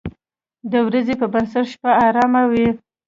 د ورځې په نسبت شپه آرامه وي.